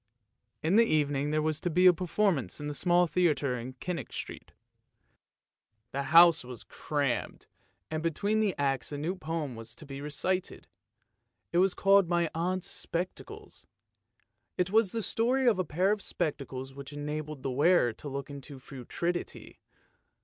In the evening there was to be a performance in the small theatre in Kannicke Street. The house was crammed, and THE GOLOSHES OF FORTUNE 321 between the acts a new poem was to be recited. It was called " My Aunt's Spectacles." It was the story of a pair of spec tacles which enabled the wearer to look into futurity.